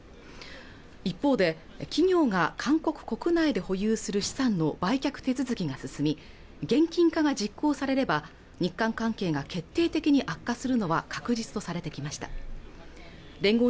一方で企業が韓国国内で保有する資産の売却手続きが進み現金化が実行されれば日韓関係が決定的に悪化するのは確実とされてきました聯合